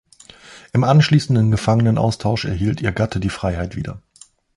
Im anschließenden Gefangenenaustausch erhielt ihr Gatte die Freiheit wieder.